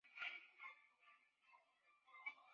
山西老陈醋已经被列为中国地理标志产品。